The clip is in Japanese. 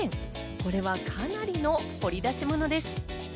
これはかなりの掘り出し物です。